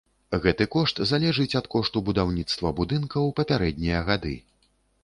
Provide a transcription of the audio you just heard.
Гэты кошт залежыць ад кошту будаўніцтва будынка ў папярэднія гады.